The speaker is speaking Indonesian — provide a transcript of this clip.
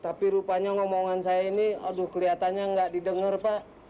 tapi rupanya ngomongan saya ini aduh kelihatannya nggak didengar pak